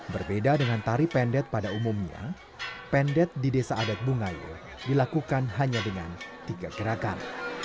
berbeda dengan tari pendek pada umumnya pendek di desa adat bungayu dilakukan hanya dengan tiga gerakan